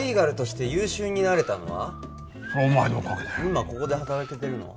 今ここで働けてるのは？